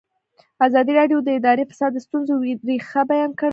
ازادي راډیو د اداري فساد د ستونزو رېښه بیان کړې.